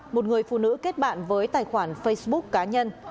một người phụ nữ kết bạn với tài khoản facebook cá nhân